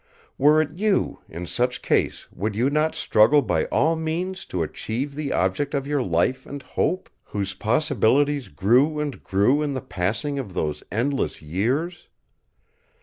Were it you, in such case would you not struggle by all means to achieve the object of your life and hope; whose possibilities grew and grew in the passing of those endless years?